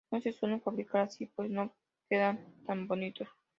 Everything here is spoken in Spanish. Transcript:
No se suelen fabricar así pues no quedan tan "bonitos".